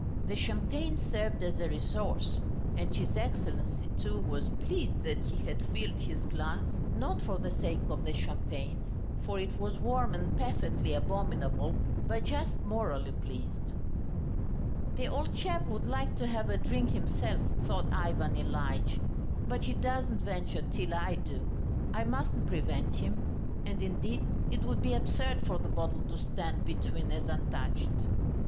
The champagne served as a resource, and his Excellency, too, was pleased that he had filled his glass not for the sake of the champagne, for it was warm and perfectly abominable, but just morally pleased. "The old chap would like to have a drink himself," thought Ivan Ilyitch, "but he doesn't venture till I do. I mustn't prevent him. And indeed it would be absurd for the bottle to stand between as untouched."